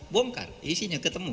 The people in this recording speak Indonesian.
bongkar isinya ketemu